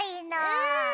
うん！